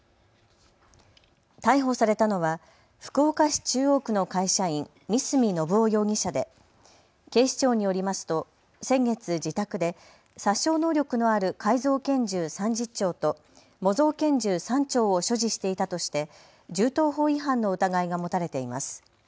逮捕されたのは福岡市中央区の会社員、三角信夫容疑者で警視庁によりますと先月、自宅で殺傷能力のある改造拳銃３０丁と模造拳銃３丁を所持していたとして銃刀法違反の疑いが持たれています。